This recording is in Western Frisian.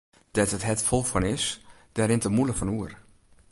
Dêr't it hert fol fan is, dêr rint de mûle fan oer.